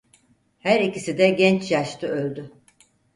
Her ikisi de genç yaşta öldü.